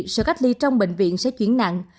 sợ cách ly trong bệnh viện sẽ chuyển nặng